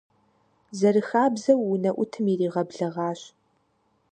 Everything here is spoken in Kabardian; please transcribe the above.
Зэрыхабзэу унэӀутым иригъэблэгъащ.